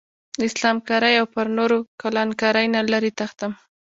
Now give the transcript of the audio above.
له اسلام کارۍ او پر نورو کلان کارۍ نه لرې تښتم.